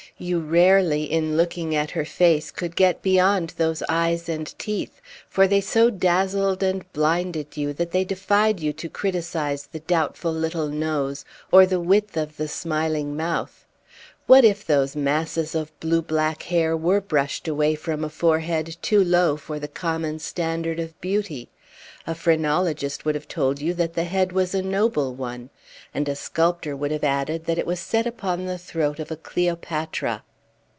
You rarely, in looking at her face, could get beyond these eyes and teeth; for they so dazzled and blinded you that they defied you to criticise the doubtful little nose, or the width of the smiling mouth. What if those masses of blue black hair were brushed away from a forehead too low for the common standard of beauty? A phrenologist would have told you that the head was a noble one; and a sculptor would have added that it was set upon the throat of a Cleopatra.